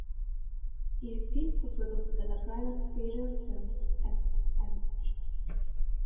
Il film fu prodotto dalla Private Feature Film Mfg.